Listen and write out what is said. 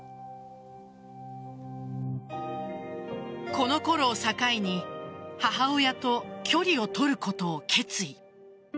このころを境に母親と距離を取ることを決意。